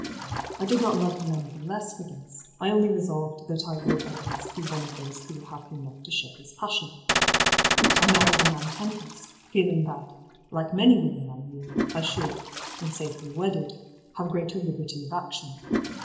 I did not love him any the less for this; I only resolved that I would at least be one of those who were happy enough to share his passion. I married the man Tempest, feeling that, like many women I knew, I should, when safely wedded, have greater liberty of action.